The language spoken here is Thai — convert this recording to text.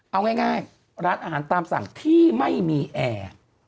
เอาง่ายร้านอาหารตามสั่งที่ไม่มีแอร์